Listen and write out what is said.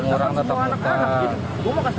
orang tetap berkata